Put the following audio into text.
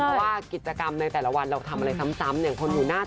เพราะว่ากิจกรรมในแต่ละวันเราทำอะไรซ้ำเนี่ยคนอยู่หน้า